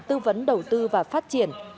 tư vấn đầu tư và phát triển